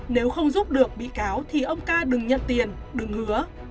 nếu không giúp được bị cáo thì ông ca đừng nhận tiền đừng hứa